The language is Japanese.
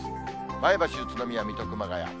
前橋、宇都宮、水戸、熊谷。